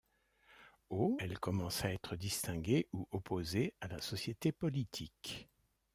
Au elle commence à être distinguée ou opposée à la société politique.